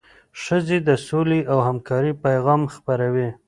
ښځې د سولې او همکارۍ پیغام خپروي.